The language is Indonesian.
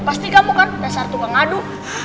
pasti kamu kan dasar tukang adu